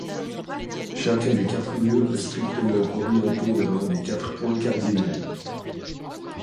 Chacun des quatre murs est strictement orienté vers l'un des quatre points cardinaux.